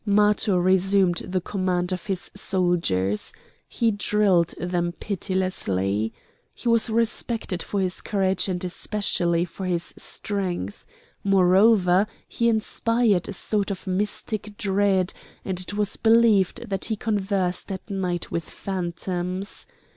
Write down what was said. Matho resumed the command of his soldiers. He drilled them pitilessly. He was respected for his courage and especially for his strength. Moreover he inspired a sort of mystic dread, and it was believed that he conversed at night with phantoms.